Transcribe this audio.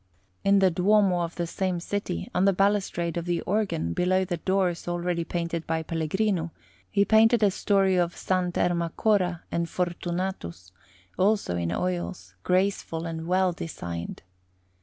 In the Duomo of the same city, on the balustrade of the organ, below the doors already painted by Pellegrino, he painted a story of S. Ermacora and Fortunatus, also in oils, graceful and well designed.